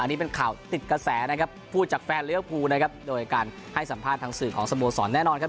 อันนี้เป็นข่าวติดกระแสนะครับพูดจากแฟนเลี้ยวภูนะครับโดยการให้สัมภาษณ์ทางสื่อของสโมสรแน่นอนครับ